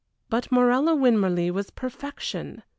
But Morella Winmarleigh was perfection!